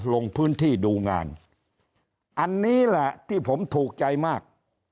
ลงพื้นที่ดูงานอันนี้แหละที่ผมถูกใจมาก